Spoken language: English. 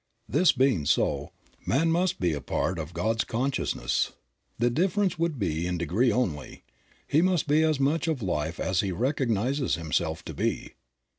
This being so, man must be a part of God's consciousness. The difference would be in degree only. He must be as much of Life as he recognizes himself to be.